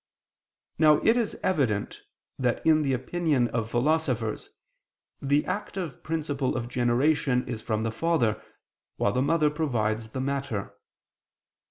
Now it is evident that in the opinion of philosophers, the active principle of generation is from the father, while the mother provides the matter.